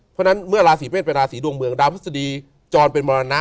เพราะฉะนั้นเมื่อราศีเมษเป็นราศีดวงเมืองดาวพฤษฎีจรเป็นมรณะ